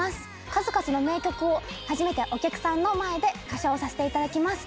数々の名曲を初めてお客さんの前で歌唱させていただきます。